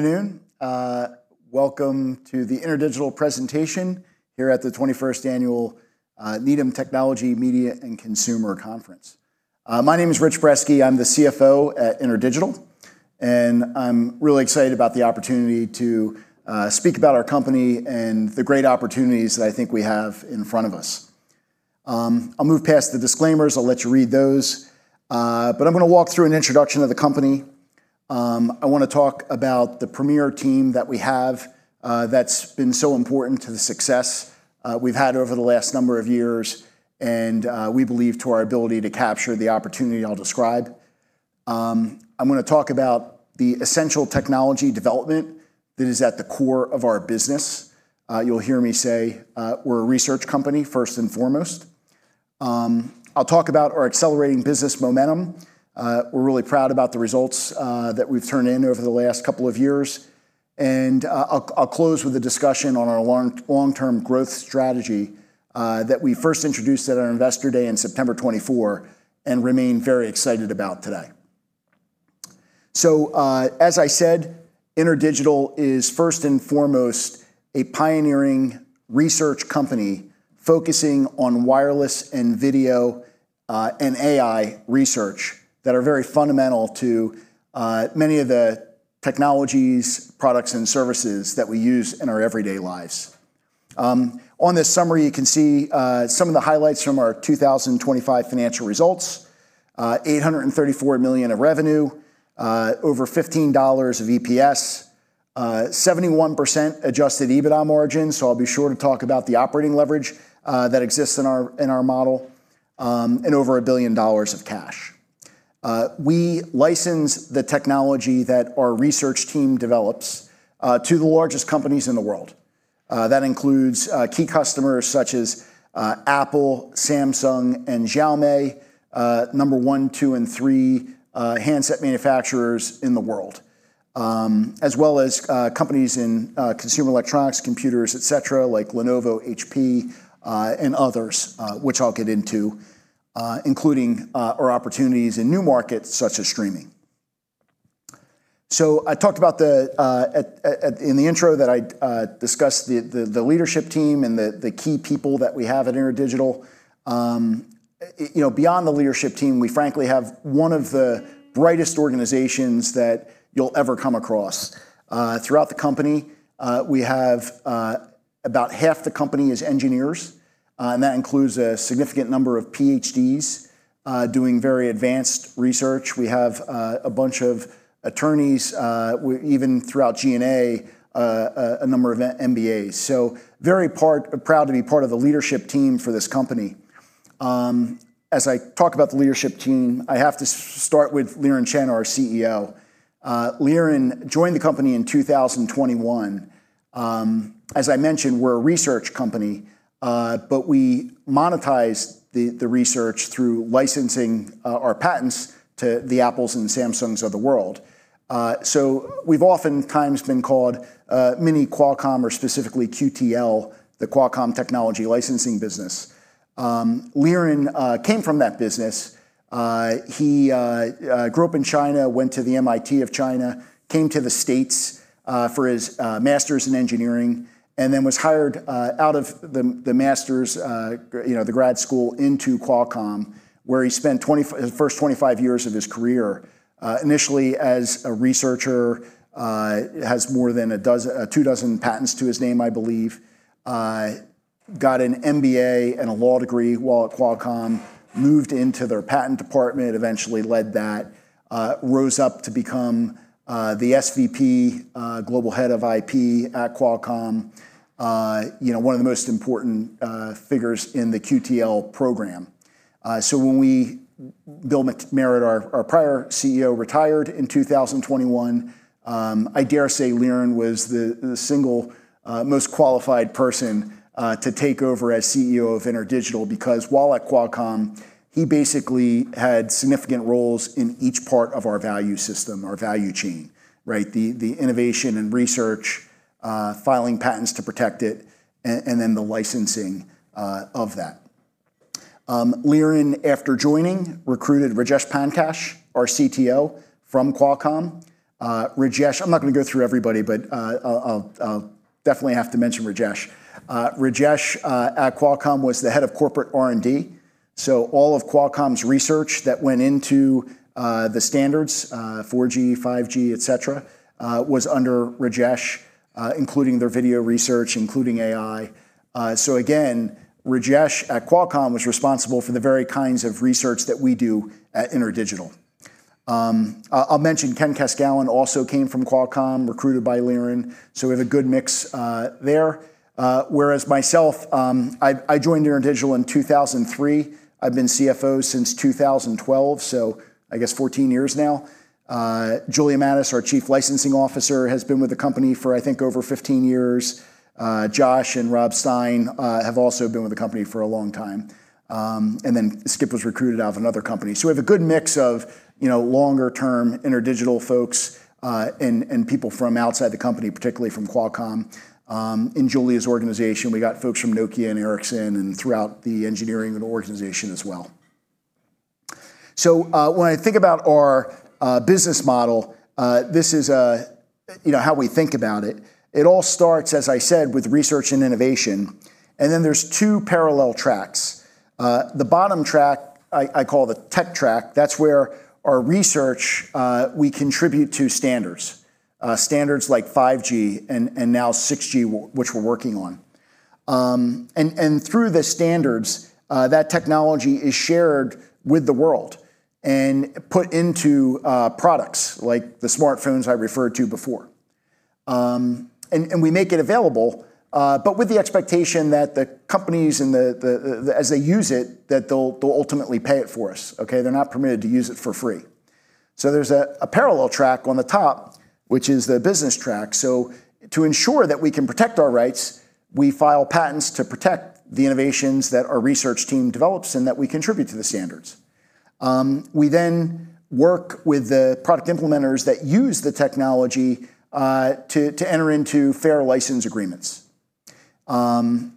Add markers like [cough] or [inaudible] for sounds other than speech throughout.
Good afternoon. Welcome to the InterDigital presentation here at the 21st Annual Needham Technology, Media, & Consumer Conference. My name is Rich Brezski. I'm the CFO at InterDigital, and I'm really excited about the opportunity to speak about our company and the great opportunities that I think we have in front of us. I'll move past the disclaimers. I'll let you read those. I'm going to walk through an introduction of the company. I want to talk about the premier team that we have that's been so important to the success we've had over the last number of years, and we believe to our ability to capture the opportunity I'll describe. I'm going to talk about the essential technology development that is at the core of our business. You'll hear me say we're a research company first and foremost. I'll talk about our accelerating business momentum. We're really proud about the results that we've turned in over the last couple of years. I'll close with a discussion on our long-term growth strategy that we first introduced at our Investor Day in September 2024 and remain very excited about today. As I said, InterDigital is first and foremost a pioneering research company focusing on wireless, video, and AI research that are very fundamental to many of the technologies, products, and services that we use in our everyday lives. On this summary, you can see some of the highlights from our 2025 financial results. $834 million of revenue, over $15 of EPS, 71% adjusted EBITDA margin, so I'll be sure to talk about the operating leverage that exists in our model, and over $1 billion of cash. We license the technology that our research team develops to the largest companies in the world. That includes key customers such as Apple, Samsung, and Xiaomi, number one, two, and three handset manufacturers in the world, as well as companies in consumer electronics, computers, et cetera, like Lenovo, HP, and others, which I'll get into, including our opportunities in new markets such as streaming. I talked about in the intro that I discussed the leadership team and the key people that we have at InterDigital. You know, beyond the leadership team, we frankly have one of the brightest organizations that you'll ever come across. Throughout the company, we have about half the company is engineers, and that includes a significant number of PhDs, doing very advanced research. We have a bunch of attorneys, even throughout G&A, a number of MBAs. Very proud to be part of the leadership team for this company. As I talk about the leadership team, I have to start with Liren Chen, our CEO. Liren joined the company in 2021. As I mentioned, we're a research company, but we monetize the research through licensing our patents to the Apple and Samsung of the world. We've oftentimes been called a mini-Qualcomm or specifically QTL, the Qualcomm Technology Licensing business. Liren came from that business. He grew up in China, went to the MIT of China, came to the U.S. for his master's in engineering, and then was hired out of the master's, you know, the grad school into Qualcomm, where he spent his first 25 years of his career. Initially, as a researcher, he has more than two dozen patents to his name, I believe. Got an MBA and a law degree while at Qualcomm, moved into their patent department, eventually led that, rose up to become the SVP, Global Head of IP at Qualcomm, you know, one of the most important figures in the QTL program. When Bill Merritt, our prior CEO, retired in 2021, I dare say Liren was the single most qualified person to take over as CEO of InterDigital, because while at Qualcomm, he basically had significant roles in each part of our value system or value chain, right? The innovation and research, filing patents to protect it, and then the licensing of that. Liren, after joining, recruited Rajesh Pankaj, our CTO, from Qualcomm. Rajesh, I'm not gonna go through everybody, but I'll definitely have to mention Rajesh. Rajesh at Qualcomm was the Head of Corporate R&D. All of Qualcomm's research that went into the standards, 4G, 5G, et cetera, was under Rajesh, including their video research, including AI. Again, Rajesh at Qualcomm was responsible for the very kinds of research that we do at InterDigital. I'll mention Ken Kaskoun also came from Qualcomm, recruited by Liren. We have a good mix there. Whereas myself, I joined InterDigital in 2003. I've been CFO since 2012, so I guess 14 years now. Julia Mattis, our Chief Licensing Officer, has been with the company for, I think, over 15 years. Josh and Rob Stien have also been with the company for a long time. Then Skip was recruited out of another company. We have a good mix of, you know, longer-term InterDigital folks, and people from outside the company, particularly from Qualcomm. In Julia's organization, we got folks from Nokia and Ericsson and throughout the engineering organization as well. When I think about our business model, this is, you know, how we think about it. It all starts, as I said, with research and innovation, and then there's two parallel tracks. The bottom track I call the tech track. That's where our research, we contribute to standards. Standards like 5G and now 6G, which we're working on. Through the standards, that technology is shared with the world and put into products like the smartphones I referred to before. We make it available, but with the expectation that the companies and the as they use it, that they'll ultimately pay it for us, okay? They're not permitted to use it for free. There's a parallel track on the top, which is the business track. To ensure that we can protect our rights, we file patents to protect the innovations that our research team develops and that we contribute to the standards. We work with the product implementers that use the technology to enter into fair license agreements. You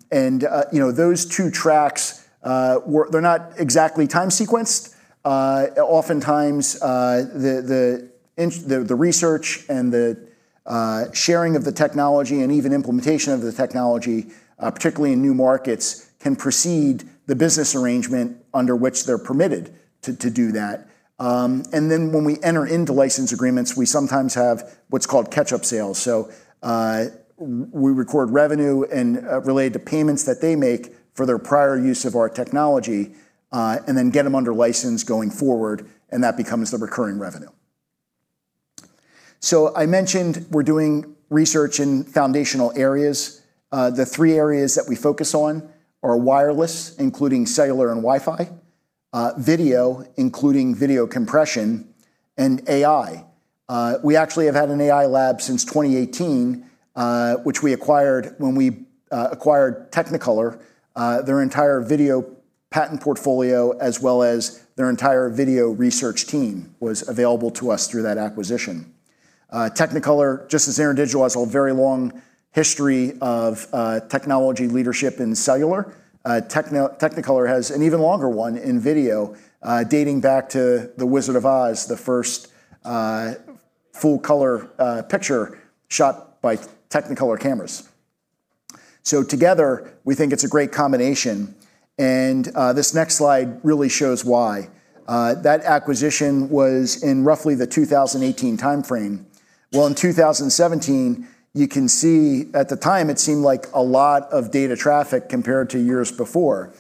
know, those two tracks, they're not exactly time sequenced. Oftentimes, the research and the sharing of the technology and even implementation of the technology, particularly in new markets, can precede the business arrangement under which they're permitted to do that. When we enter into license agreements, we sometimes have what's called catch-up sales. We record revenue related to payments that they make for their prior use of our technology, and then get them under license going forward, and that becomes the recurring revenue. I mentioned we're doing research in foundational areas. The three areas that we focus on are wireless, including cellular and Wi-Fi, video, including video compression, and AI. We actually have had an AI lab since 2018, which we acquired when we acquired Technicolor. Their entire video patent portfolio, as well as their entire video research team, was available to us through that acquisition. Technicolor, just as InterDigital has a very long history of technology leadership in cellular, Technicolor has an even longer one in video, dating back to The Wizard of Oz, the first full color picture shot by Technicolor cameras. Together, we think it's a great combination, and this next slide really shows why. That acquisition was in roughly the 2018 timeframe. In 2017, you can see at the time it seemed like a lot of data traffic compared to years before.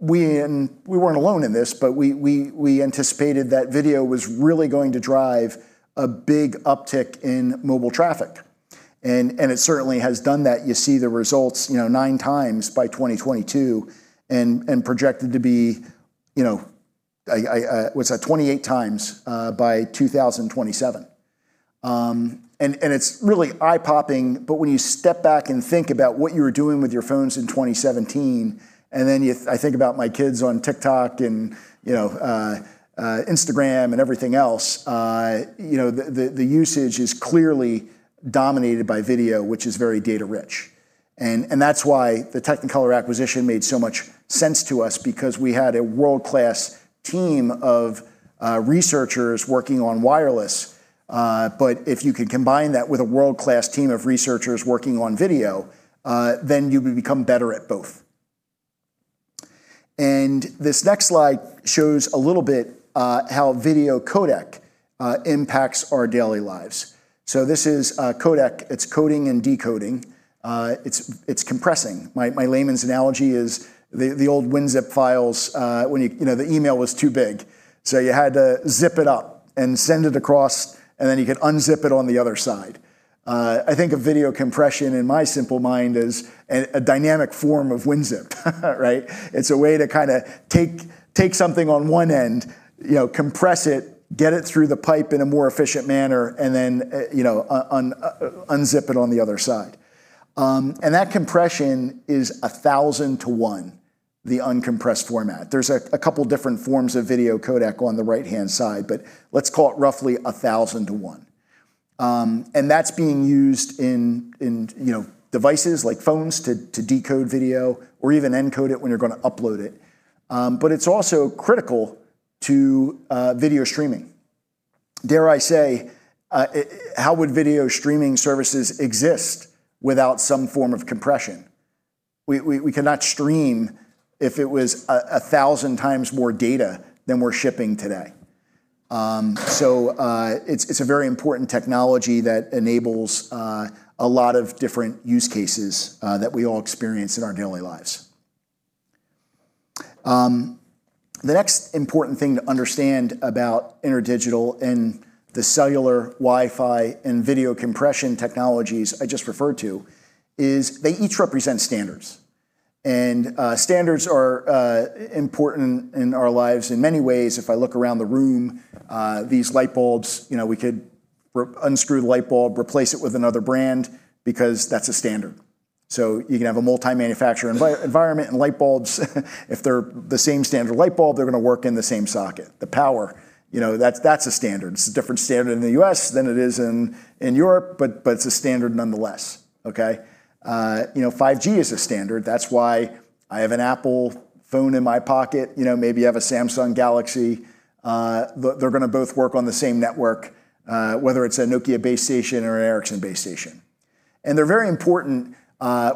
We and we weren't alone in this, but we anticipated that video was really going to drive a big uptick in mobile traffic, and it certainly has done that. You see the results, you know, 9x by 2022 and projected to be, you know, 28x by 2027. It's really eye-popping. When you step back and think about what you were doing with your phones in 2017, and then I think about my kids on TikTok and, you know, Instagram and everything else, you know, the usage is clearly dominated by video, which is very data rich. That's why the Technicolor acquisition made so much sense to us because we had a world-class team of researchers working on wireless. If you could combine that with a world-class team of researchers working on video, then you would become better at both. This next slide shows a little bit how video codecs impact our daily lives. This is codec. It's coding and decoding. It's compressing. My layman's analogy is the old WinZip files, when you know, the email was too big, so you had to zip it up and send it across, and then you could unzip it on the other side. I think of video compression in my simple mind as a dynamic form of WinZip, right? It's a way to kind of take something on one end, you know, compress it, get it through the pipe in a more efficient manner, and then, you know, unzip it on the other side. That compression is 1,000:1, the uncompressed format. There's a couple different forms of video codec on the right-hand side, but let's call it roughly 1,000:1. And that's being used in, you know, devices like phones to decode video or even encode it when you're going to upload it. But it's also critical to video streaming. Dare I say, how would video streaming services exist without some form of compression? We cannot stream if it was 1,000x more data than we're shipping today. It's a very important technology that enables a lot of different use cases that we all experience in our daily lives. The next important thing to understand about InterDigital and the cellular, Wi-Fi, and video compression technologies I just referred to is they each represent standards. Standards are important in our lives in many ways. If I look around the room, these light bulbs, you know, we could unscrew the light bulb, replace it with another brand, because that's a standard. You can have a multi-manufacturer environment and light bulbs. If they're the same standard light bulb, they're going to work in the same socket. The power, you know, that's a standard. It's a different standard in the U.S. than it is in Europe, but it's a standard nonetheless. You know, 5G is a standard. That's why I have an Apple phone in my pocket. You know, maybe you have a Samsung Galaxy. They're going to both work on the same network, whether it's a Nokia base station or an Ericsson base station. They're very important,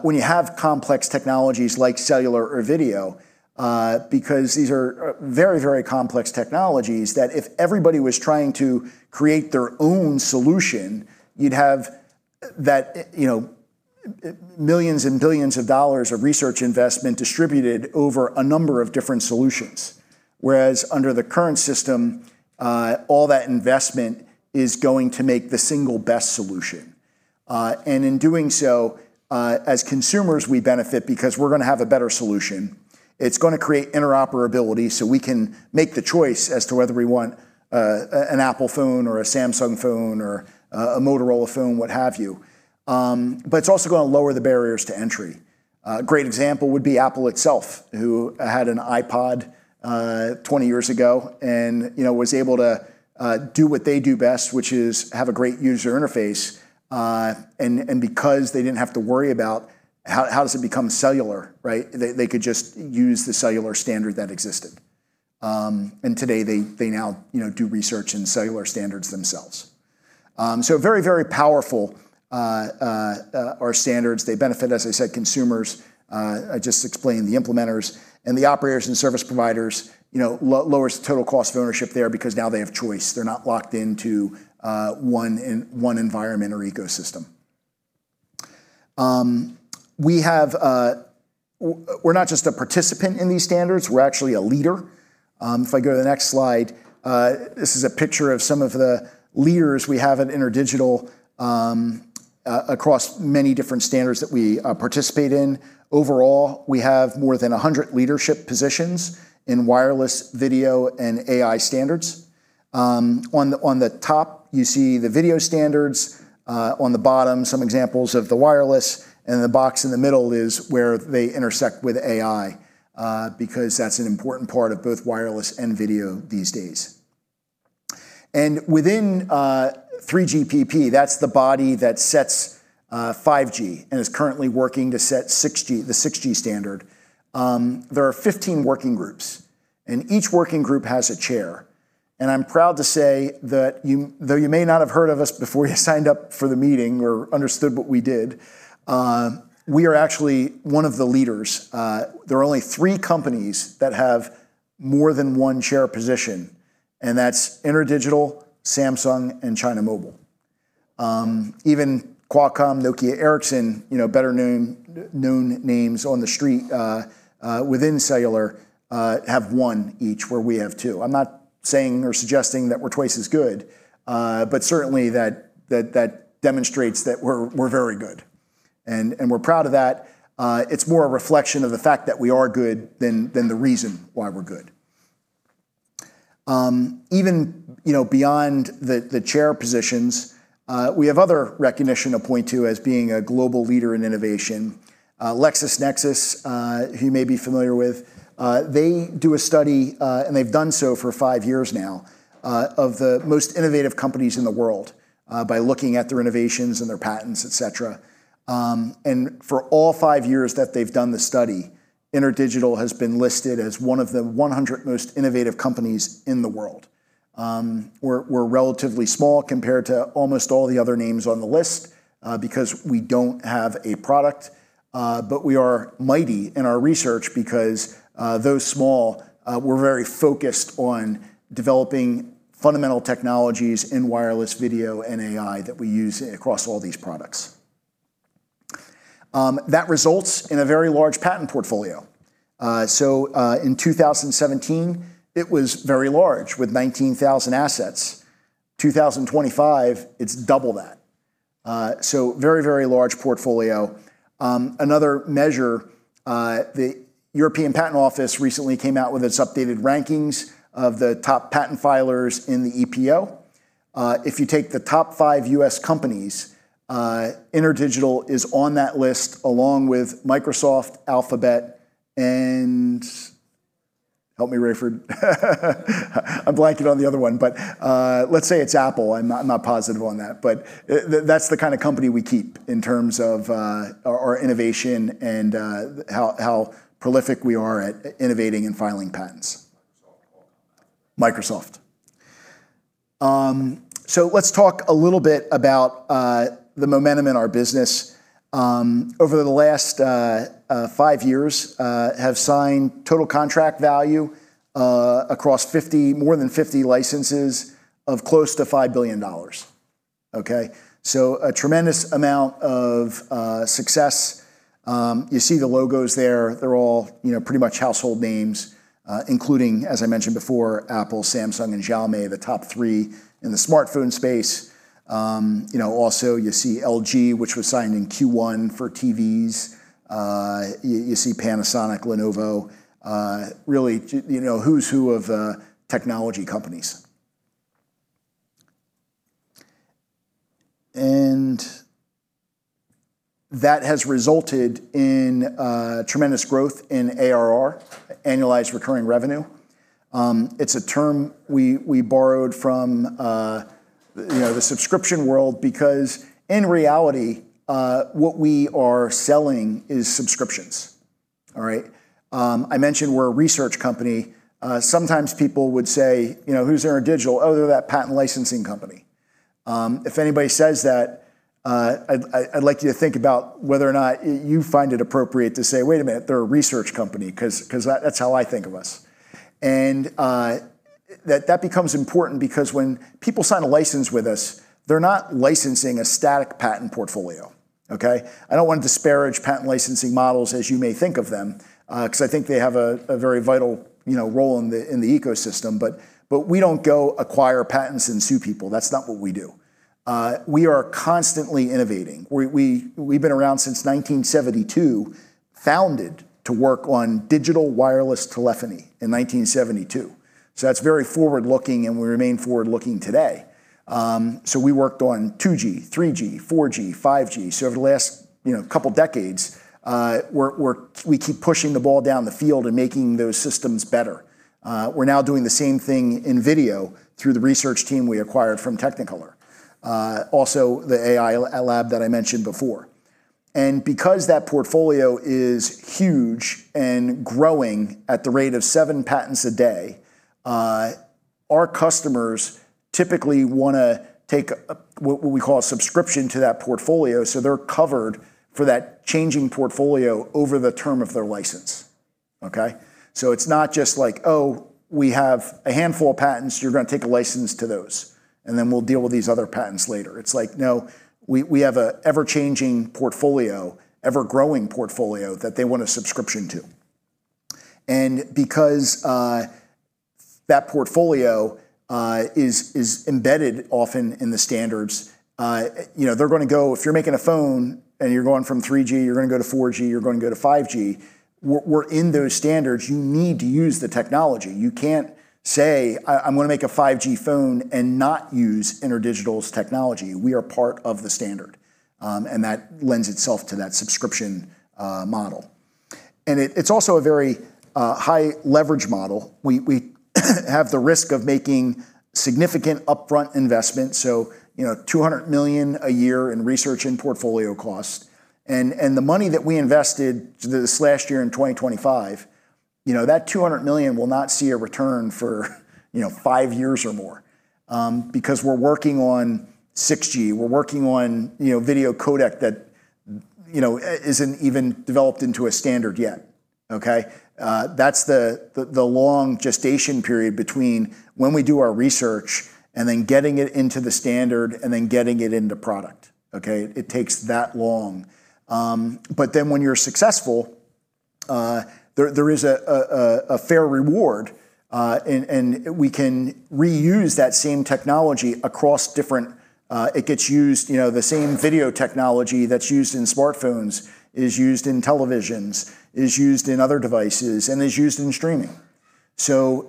when you have complex technologies like cellular or video, because these are very, very complex technologies that if everybody was trying to create their own solution, you'd have, that, you know, millions and billions of dollars of research investment distributed over a number of different solutions. Under the current system, all that investment is going to make the single best solution. In doing so, as consumers, we benefit because we're going to have a better solution. It's going to create interoperability so we can make the choice as to whether we want an Apple phone or a Samsung phone or a Motorola phone, what have you. It's also going to lower the barriers to entry. A great example would be Apple itself, who had an iPod 20 years ago, and, you know, was able to do what they do best, which is have a great user interface. Because they didn't have to worry about how does it becomes cellular, right? They could just use the cellular standard that existed. Today, they now, you know, do research in cellular standards themselves. Very powerful are standards. They benefit, as I said, consumers, I just explained the implementers, and the operators and service providers, you know, lowers the total cost of ownership there because now they have choice. They're not locked into one environment or ecosystem. We have, we're not just a participant in these standards, we're actually a leader. If I go to the next slide, this is a picture of some of the leaders we have at InterDigital across many different standards that we participate in. Overall, we have more than 100 leadership positions in wireless, video, and AI standards. On the top, you see the video standards, on the bottom, some examples of the wireless, and in the box in the middle is where they intersect with AI because that's an important part of both wireless and video these days. Within 3GPP, that's the body that sets 5G and is currently working to set 6G, the 6G standard, there are 15 working groups, and each working group has a chair. I'm proud to say that you, though you may not have heard of us before you signed up for the meeting or understood what we did, we are actually one of the leaders. There are only three companies that have more than one chair position, and that's InterDigital, Samsung, and China Mobile. Even Qualcomm, Nokia, Ericsson, you know, better-known names on the street, within cellular, have one each, where we have two. I'm not saying or suggesting that we're twice as good, but certainly that demonstrates that we're very good and we're proud of that. It's more a reflection of the fact that we are good than the reason why we're good. Even, you know, beyond the chair positions, we have other recognition to point to as being a global leader in innovation. LexisNexis, who you may be familiar with, they do a study, and they've done so for five years now, of the most innovative companies in the world, by looking at their innovations and their patents, et cetera. For all five years that they've done the study, InterDigital has been listed as one of the 100 most innovative companies in the world. We're, we're relatively small compared to almost all the other names on the list, because we don't have a product. We are mighty in our research because, though small, we're very focused on developing fundamental technologies in wireless, video, and AI that we use across all these products. That results in a very large patent portfolio. In 2017, it was very large with 19,000 assets. 2025, it's double that. Very, very large portfolio. Another measure, the European Patent Office recently came out with its updated rankings of the top patent filers in the EPO. If you take the top 5 U.S. companies, InterDigital is on that list, along with Microsoft, Alphabet, and, help me, Raiford. I'm blanking on the other one, let's say it's Apple. I'm not positive on that. That's the kind of company we keep in terms of our innovation and how prolific we are at innovating and filing patents. Microsoft. Let's talk a little bit about the momentum in our business. Over the last five years, have signed total contract value across 50, more than 50 licenses of close to $5 billion. A tremendous amount of success. You see the logos there. They're all, you know, pretty much household names, including, as I mentioned before, Apple, Samsung, and Xiaomi, the top three in the smartphone space. You know, also, you see LG, which was signed in Q1 for TVs. You, you see Panasonic, Lenovo, really, you know, who's who of technology companies. That has resulted in tremendous growth in ARR, annualized recurring revenue. It's a term we borrowed from, you know, the subscription world, because in reality, what we are selling is subscriptions. I mentioned we're a research company. Sometimes people would say, "You know, who's InterDigital? Oh, they're that patent licensing company." If anybody says that I'd like you to think about whether or not you find it appropriate to say, "Wait a minute, they're a research company," because that's how I think of us. That becomes important because when people sign a license with us, they're not licensing a static patent portfolio, okay? I don't want to disparage patent licensing models as you may think of them, because I think they have a very vital, you know, role in the ecosystem, but we don't go acquire patents and sue people. That's not what we do. We are constantly innovating. We've been around since 1972, founded to work on digital wireless telephony in 1972. That's very forward-looking, and we remain forward-looking today. We worked on 2G, 3G, 4G, 5G. Over the last, you know, couple of decades, we keep pushing the ball down the field and making those systems better. We're now doing the same thing in video through the research team we acquired from Technicolor. Also, the AI lab that I mentioned before. Because that portfolio is huge and growing at the rate of seven patents a day, our customers typically want to take a, what we call a subscription to that portfolio, so they're covered for that changing portfolio over the term of their license, okay? It's not just like, oh, we have a handful of patents. You're going to take a license to those, and then we'll deal with these other patents later. It's like, no, we have an ever-changing portfolio, ever-growing portfolio that they want a subscription to. Because that portfolio is embedded often in the standards, you know, they're going to go If you're making a phone and you're going from 3G, you're going to go to 4G, you're going to go to 5G, we're in those standards. You need to use the technology. You can't say, "I'm going to make a 5G phone," and not use InterDigital's technology. We are part of the standard. That lends itself to that subscription model. It's also a very high-leverage model. We have the risk of making significant upfront investment, so, you know, $200 million a year in research and portfolio costs. The money that we invested this last year in 2025, you know, that $200 million will not see a return for, you know, five years or more, because we're working on 6G. We're working on, you know, video codec that, you know, isn't even developed into a standard yet, okay. That's the long gestation period between when we do our research and then getting it into the standard and then getting it into product, okay. It takes that long. When you're successful, there is a fair reward, and we can reuse that same technology across different. It gets used. You know, the same video technology that's used in smartphones is used in televisions, is used in other devices, and is used in streaming.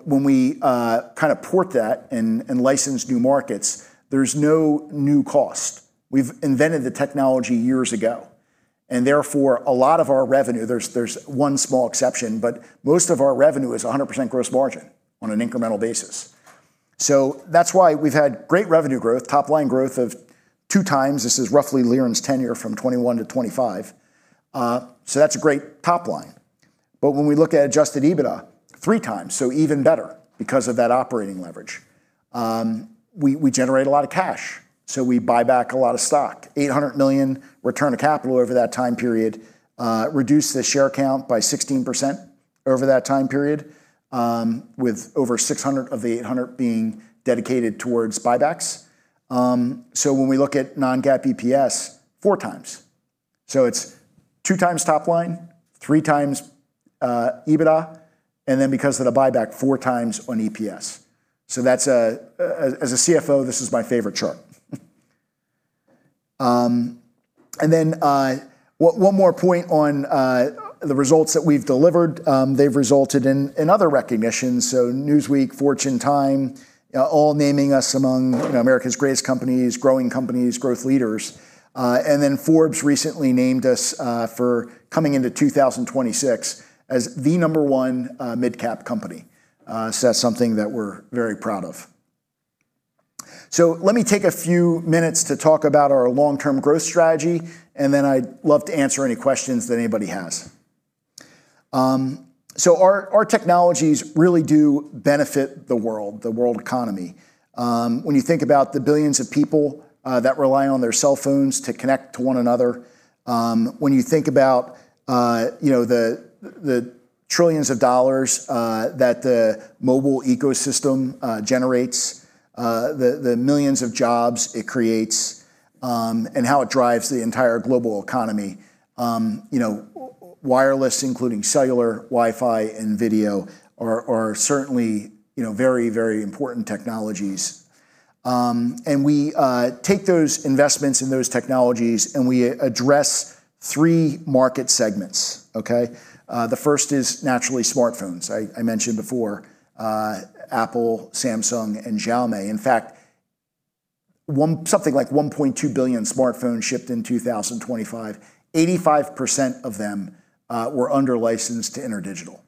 When we port that and license new markets, there's no new cost. We've invented the technology years ago, and therefore, a lot of our revenue, there's one small exception, but most of our revenue is 100% gross margin on an incremental basis. That's why we've had great revenue growth, top line growth of 2x. This is roughly Liren's tenure from 2021 to 2025. That's a great top line. When we look at adjusted EBITDA, 3x, even better because of that operating leverage. We generate a lot of cash, we buy back a lot of stock. $800 million return of capital over that time period, reduced the share count by 16% over that time period, with over 600 of the $800 being dedicated towards buybacks. When we look at non-GAAP EPS, 4x. It's 2x top line, 3x EBITDA, and then because of the buyback, 4x on EPS. That's as a CFO, this is my favorite chart. And then, one more point on the results that we've delivered. They've resulted in other recognitions. Newsweek, Fortune, Time, all naming us among, you know, America's greatest companies, growing companies, growth leaders. And then Forbes recently named us for coming into 2026 as the number one midcap company. That's something that we're very proud of. Let me take a few minutes to talk about our long-term growth strategy, and then I'd love to answer any questions that anybody has. Our technologies really do benefit the world economy. When you think about the billions of people that rely on their cell phones to connect to one another, when you think about the trillions of dollars that the mobile ecosystem generates, the millions of jobs it creates, and how it drives the entire global economy, wireless, including cellular, Wi-Fi, and video are certainly very, very important technologies. We take those investments in those technologies, and we address three market segments, okay. The first is naturally smartphones. I mentioned before, Apple, Samsung, and Xiaomi. Something like 1.2 billion smartphones shipped in 2025. 85% of them were under license to InterDigital,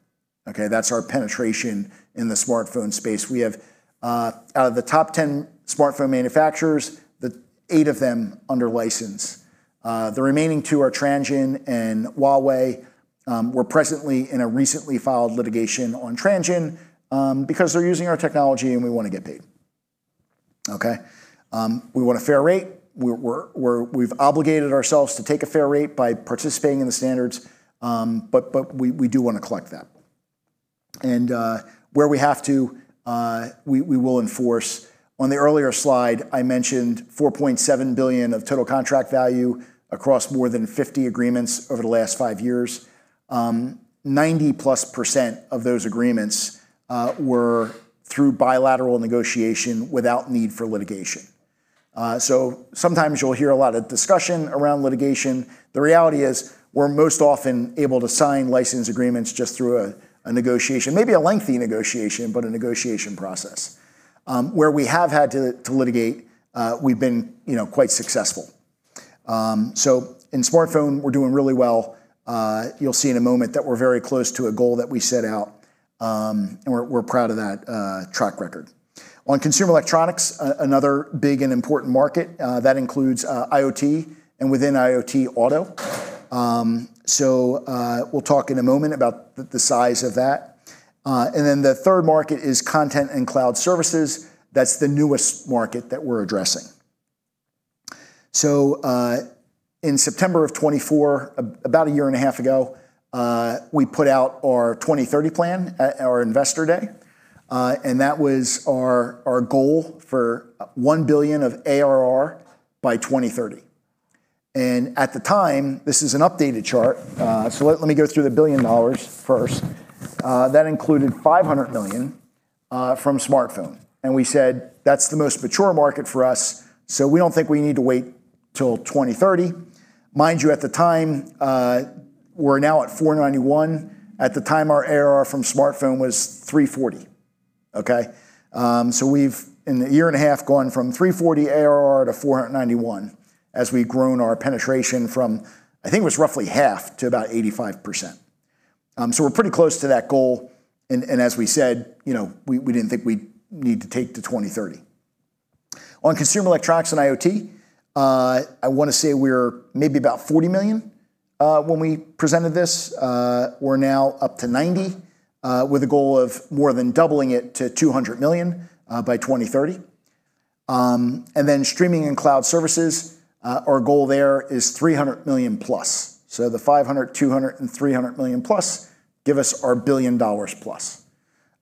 okay. That's our penetration in the smartphone space. We have out of the top 10 smartphone manufacturers, the eight of them under license. The remaining two are Transsion and Huawei. We're presently in a recently filed litigation on Transsion because they're using our technology and we want to get paid, okay? We want a fair rate. We've obligated ourselves to take a fair rate by participating in the standards, but we do want to collect that. Where we have to, we will enforce. On the earlier slide, I mentioned $4.7 billion of total contract value across more than 50 agreements over the last five years. 90%+ of those agreements were through bilateral negotiation without need for litigation. Sometimes you'll hear a lot of discussion around litigation. The reality is we're most often able to sign license agreements just through a negotiation, maybe a lengthy negotiation, but a negotiation process. Where we have had to litigate, we've been, you know, quite successful. In smartphone, we're doing really well. You'll see in a moment that we're very close to a goal that we set out, and we're proud of that track record. On consumer electronics, another big and important market, that includes IoT and within IoT, auto. We'll talk in a moment about the size of that. The third market is content and cloud services. That's the newest market that we're addressing. In September of 2024, about 1.5 a year ago, we put out our 20/30 plan at our Investor Day, and that was our goal for $1 billion of ARR by 2030. At the time, this is an updated chart, so let me go through the $1 billion first. That included $500 million from smartphone, and we said that's the most mature market for us, so we don't think we need to wait till 2030. Mind you, at the time, we're now at $491 million. At the time, our ARR from smartphone was $340 million, okay? So, we've, in a year and a half, gone from $340 million ARR to $491 million as we've grown our penetration from, I think it was roughly half to about 85%. We're pretty close to that goal, and as we said, you know, we didn't think we'd need to take to 2030. On consumer electronics and IoT, I want to say we're maybe about $40 million when we presented this. We're now up to $90 with a goal of more than doubling it to $200 million by 2030. Streaming and cloud services, our goal there is $300 million+. The $500 million, $200 million, and $300 million+ give us our $1 billion+.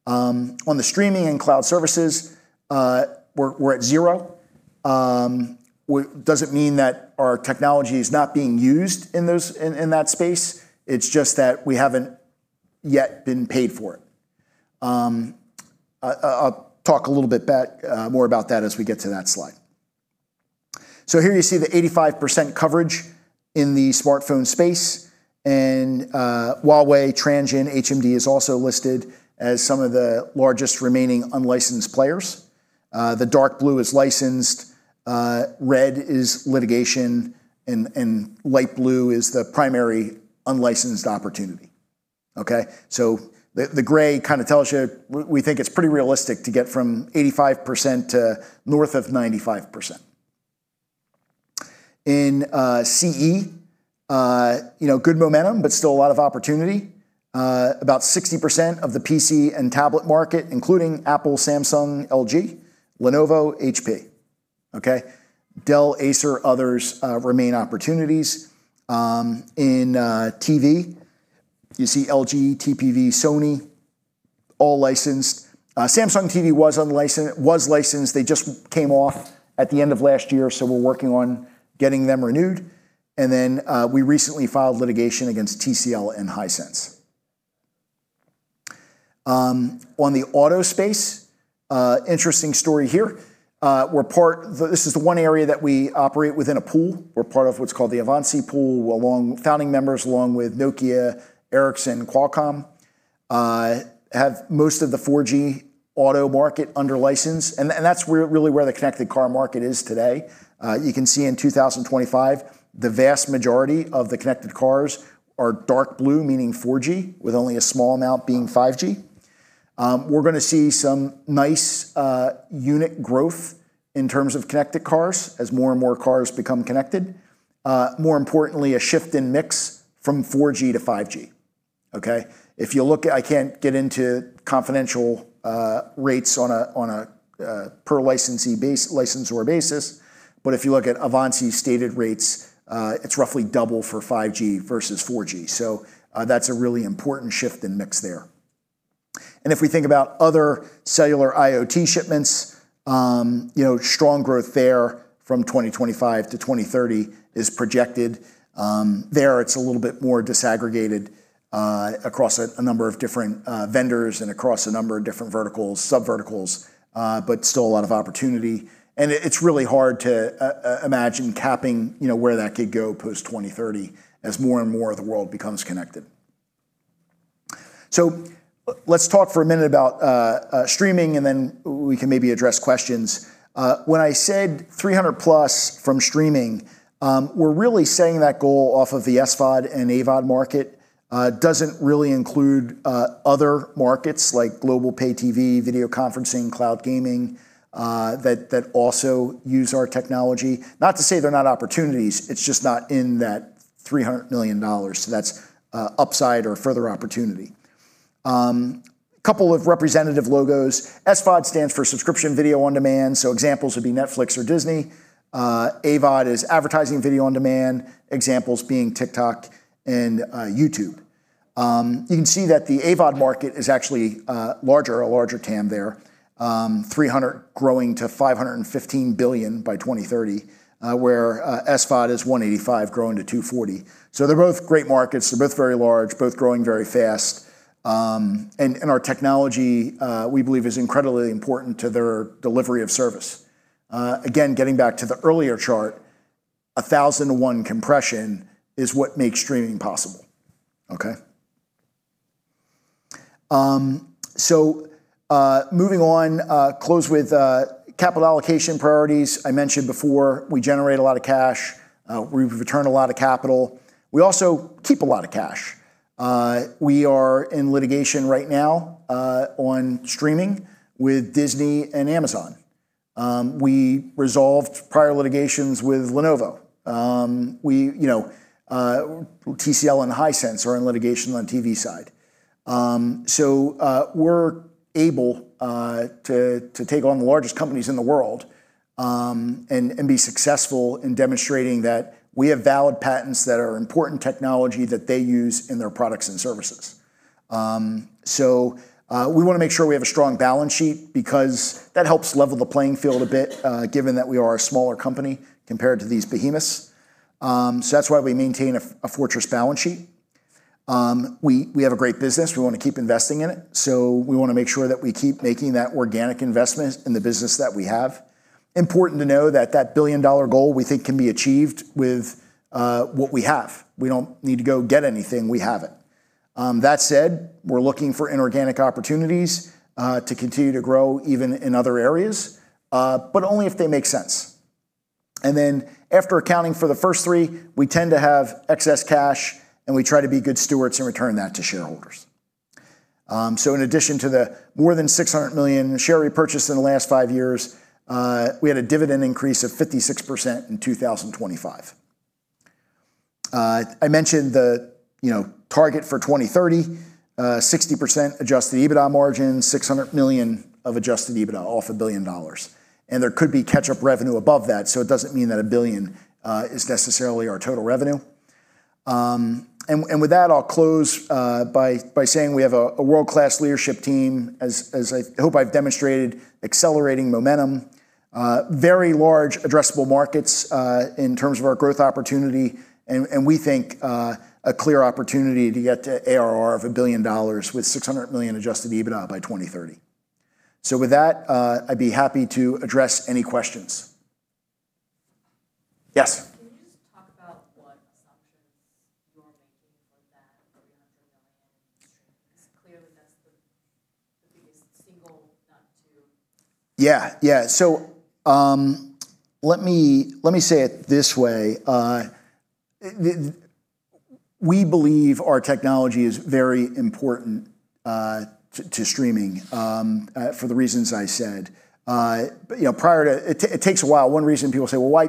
On the streaming and cloud services, we're at $0. Does it mean that our technology is not being used in those, in that space? It's just that we haven't yet been paid for it. I'll talk a little bit back more about that as we get to that slide. Here you see the 85% coverage in the smartphone space, and Huawei, Transsion, HMD is also listed as some of the largest remaining unlicensed players. The dark blue is licensed, red is litigation, and light blue is the primary unlicensed opportunity, okay? The gray kind of tells you we think it's pretty realistic to get from 85% to north of 95%. In CE, you know, good momentum, but still a lot of opportunity. About 60% of the PC and tablet market, including Apple, Samsung, LG, Lenovo, HP, okay? Dell, Acer, others remain opportunities. In TV, you see LG, TPV, Sony, all licensed. Samsung TV was licensed. They just came off at the end of last year, we're working on getting them renewed. We recently filed litigation against TCL and Hisense. On the auto space, interesting story here. This is the one area that we operate within a pool. We're part of what's called the Avanci pool, founding members along with Nokia, Ericsson, Qualcomm. Have most of the 4G auto market under license and that's really where the connected car market is today. You can see in 2025, the vast majority of the connected cars are dark blue, meaning 4G, with only a small amount being 5G. We're going to see some nice unit growth in terms of connected cars as more and more cars become connected. More importantly, a shift in mix from 4G to 5G, okay? I can't get into confidential rates on a per licensee or basis, but if you look at Avanci's stated rates, it's roughly double for 5G versus 4G. That's a really important shift in mix there. If we think about other cellular IoT shipments, you know, strong growth there from 2025 to 2030 is projected. There it's a little bit more disaggregated across a number of different vendors and across a number of different verticals, sub-verticals, still a lot of opportunity. It's really hard to imagine capping, you know, where that could go post 2030 as more and more of the world becomes connected. Let's talk for a minute about streaming, then we can maybe address questions. When I said 300+ from streaming, we're really setting that goal off of the SVOD and AVOD market. It doesn't really include other markets like global pay TV, video conferencing, cloud gaming that also use our technology. Not to say they're not opportunities, it's just not in that $300 million. That's upside or further opportunity. Couple of representative logos. SVOD stands for Subscription Video On Demand, examples would be Netflix or Disney. AVOD is Advertising Video On Demand, examples being TikTok and YouTube. You can see that the AVOD market is actually larger, a larger TAM there. 300 growing to $515 billion by 2030, where SVOD is $185 growing to $240. They're both great markets. They're both very large, both growing very fast. And our technology, we believe is incredibly important to their delivery of service. Again, getting back to the earlier chart, 1,000 to 1 compression is what makes streaming possible. Moving on, close with capital allocation priorities. I mentioned before, we generate a lot of cash. We've returned a lot of capital. We also keep a lot of cash. We are in litigation right now on streaming with Disney and Amazon. We resolved prior litigations with Lenovo. We TCL and Hisense are in litigation on TV side. We're able to take on the largest companies in the world, and be successful in demonstrating that we have valid patents that are important technology that they use in their products and services. We want to make sure we have a strong balance sheet because that helps level the playing field a bit, given that we are a smaller company compared to these behemoths. That's why we maintain a fortress balance sheet. We have a great business. We want to keep investing in it, so we want to make sure that we keep making that organic investment in the business that we have. Important to know that the billion-dollar goal we think can be achieved with what we have. We don't need to go get anything. We have it. That said, we're looking for inorganic opportunities to continue to grow even in other areas, only if they make sense. After accounting for the first three, we tend to have excess cash, and we try to be good stewards and return that to shareholders. In addition to the more than $600 million share repurchase in the last five years, we had a dividend increase of 56% in 2025. I mentioned the, you know, target for 2030, 60% adjusted EBITDA margin, $600 million of adjusted EBITDA off $1 billion, and there could be catch-up revenue above that. It doesn't mean that $1 billion is necessarily our total revenue. With that, I'll close by saying we have a world-class leadership team, as I hope I've demonstrated accelerating momentum. Very large addressable markets in terms of our growth opportunity and we think a clear opportunity to get to ARR of $1 billion with $600 million adjusted EBITDA by 2030. With that, I'd be happy to address any questions. Yes. Can you just talk about what assumptions you're making for that $300 million [audio distortion] Yeah. Yeah. Let me, let me say it this way. We believe our technology is very important to streaming for the reasons I said. You know, prior to it takes a while. One reason people say, "Well,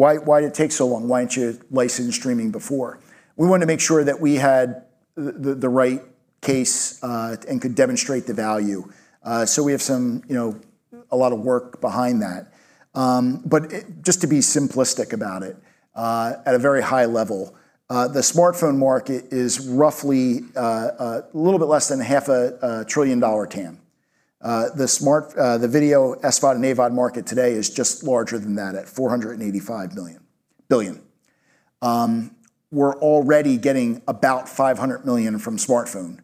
why did it take so long? Why didn't you license streaming before?" We wanted to make sure that we had the right case and could demonstrate the value. We have some, you know, a lot of work behind that. Just to be simplistic about it, at a very high level, the smartphone market is roughly a little bit less than $500 billion TAM. The video SVOD and AVOD market today is just larger than that at $485 billion. We're already getting about $500 million from smartphone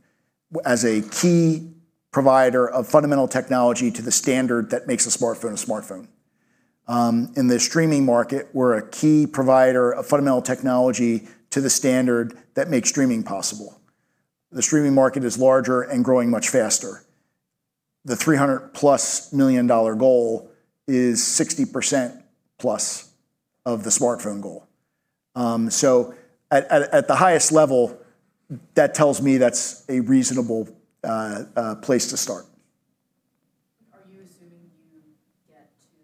as a key provider of fundamental technology to the standard that makes a smartphone a smartphone. In the streaming market, we're a key provider of fundamental technology to the standard that makes streaming possible. The streaming market is larger and growing much faster. The $300+ million goal is 60%+ of the smartphone goal. At the highest level, that tells me that's a reasonable place to start. Are you assuming you get to,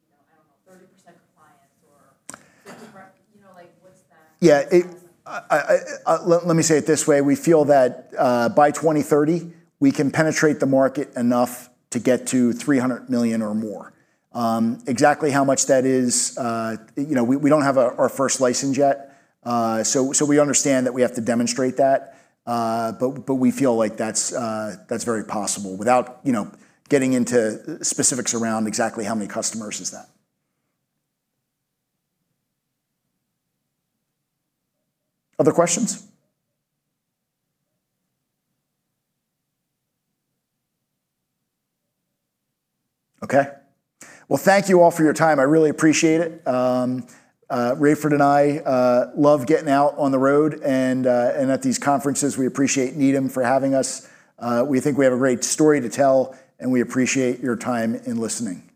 you know, I don't know, 30% compliance or different, you know, like? Yeah. Let me say it this way. We feel that by 2030, we can penetrate the market enough to get to $300 million or more. Exactly how much that is, you know, we don't have our first license yet. We understand that we have to demonstrate that. We feel like that's very possible without, you know, getting into specifics around exactly how many customers is that. Other questions? Okay. Well, thank you all for your time. I really appreciate it. Rayford and I love getting out on the road and at these conferences. We appreciate Needham for having us. We think we have a great story to tell, we appreciate your time in listening. Thanks.